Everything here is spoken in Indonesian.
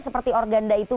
seperti organda itu